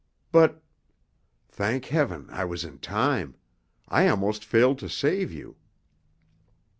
"But——" "Thank Heaven I was in time! I almost failed to save you!"